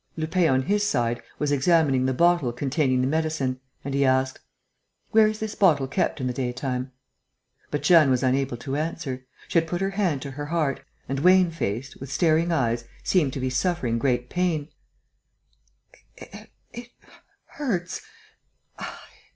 Lupin, on his side, was examining the bottle containing the medicine; and he asked: "Where is this bottle kept in the daytime?" But Jeanne was unable to answer. She had put her hand to her heart and, wan faced, with staring eyes, seemed to be suffering great pain: "It hurts